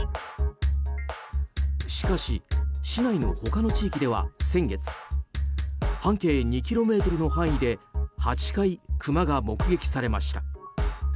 しかし、市内の他の地域では先月半径２ｋｍの範囲で８回クマが目撃されました。